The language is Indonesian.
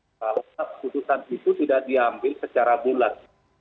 saya ingin mengucapkan bahwa keputusan itu tidak diambil secara bulat